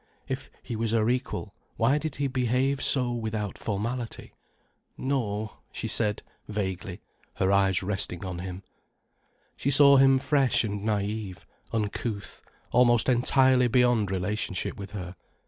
If he was her equal, why did he behave so without formality? "No——" she said, vaguely, her eyes resting on him. She saw him fresh and naïve, uncouth, almost entirely beyond relationship with her.